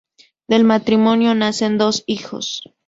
Del matrimonio nacen dos hijos.